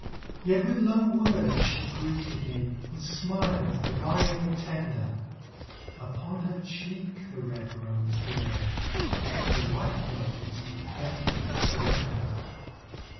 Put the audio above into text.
Yet with low words she greeted me, With smiles divinely tender; Upon her cheek the red rose dawned, The white rose meant surrender.